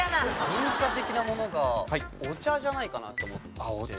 文化的なものがお茶じゃないかなと思ってて。